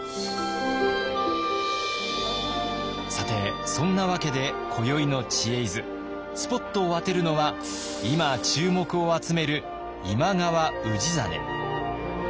さてそんなわけで今宵の「知恵泉」スポットを当てるのは今注目を集める今川氏真。